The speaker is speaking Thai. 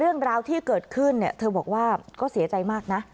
เรื่องราวที่เกิดขึ้นเนี่ยเธอบอกว่าก็เสียใจมากนะ